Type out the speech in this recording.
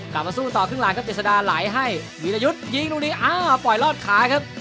กลับมาสู้ต่อครึ่งหลังครับเจษดาไหลให้วีรยุทธ์ยิงตรงนี้อ้าวปล่อยรอดขาครับ